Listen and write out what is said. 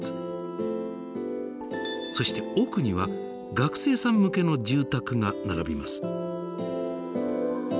そして奥には学生さん向けの住宅が並びます。